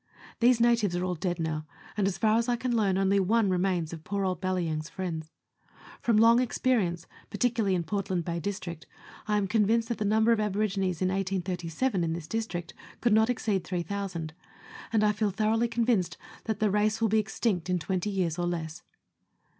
These natives are all dead now, and, as far as I can learn, only one remains of poor old Balyang's friends. From long experience, particularly in Portland Bay District, I am convinced that the number of aborigines in 1837 in this district could not exceed 3,000, and I feel thoroughly convinced the race will be extinct in 20 years or less.